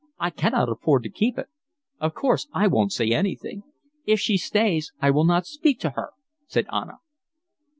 I cannot afford to keep it." "Of course I won't say anything." "If she stays, I will not speak to her," said Anna.